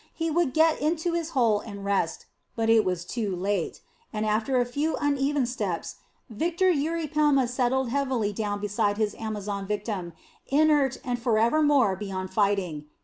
He would get into his hole and rest. But it was too late. And after a few uneven steps, victor Eurypelma settled heavily down beside his amazon victim, inert and forevermore beyond fighting.